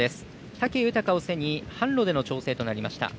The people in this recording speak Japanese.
武豊を背に、坂路での調整となりました。